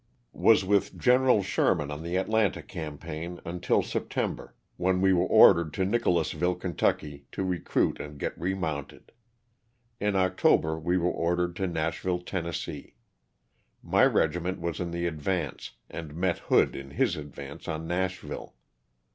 Was with Gen. Sherman on the Atlanta campaign until September when we were ordered to Nicholas ville, Ky., to recruit and get remounted. In Octo ber we were ordered to Nashville, Tenn. My regi ment was in the advance and met Hood in his advance on Nashville.